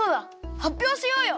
はっぴょうしようよ！